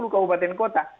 dua puluh kabupaten kota